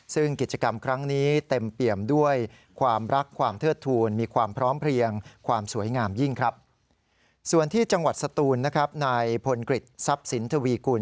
ซึ่งกิจกรรมครั้งนี้เต็มเปี่ยมด้วยความรักความเทือดทูล